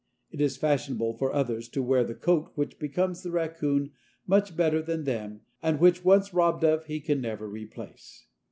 It is fashionable for others to wear the coat which becomes the raccoon much better than them and which once robbed of he can never replace.